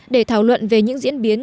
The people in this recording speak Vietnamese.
để thảo luận về những diễn biến